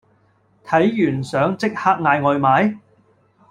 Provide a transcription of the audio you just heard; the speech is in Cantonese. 睇完想即刻嗌外賣？